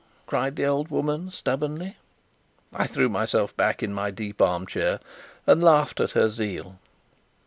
cried the old woman stubbornly. I threw myself back in my deep armchair, and laughed at her zeal.